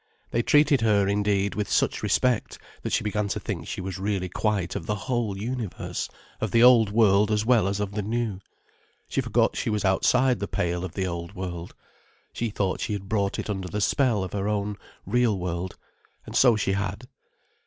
They treated her, indeed, with such respect, that she began to think she was really quite of the whole universe, of the old world as well as of the new. She forgot she was outside the pale of the old world. She thought she had brought it under the spell of her own, real world. And so she had.